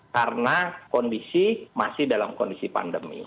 karena kondisi masih dalam kondisi pandemi